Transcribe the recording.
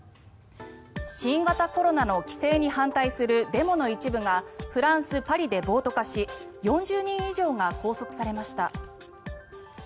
新型コロナの規制に反対するデモの一部がフランス・パリで暴徒化し４０人以上が拘束されました。